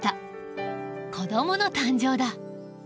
子どもの誕生だ。